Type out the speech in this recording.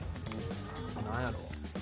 何やろう？